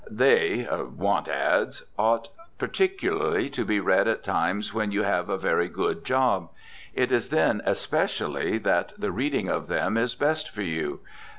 They (want "ads") ought, particularly, to be read at times when you have a very good job. It is then especially that the reading of them is best for you.